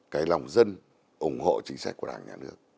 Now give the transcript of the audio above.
cái lòng dân ủng hộ chính sách của đảng nhà nước